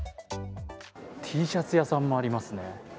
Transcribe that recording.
Ｔシャツ屋さんもありますね。